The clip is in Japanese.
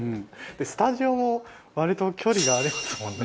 スタジオも割と距離がありますもんね。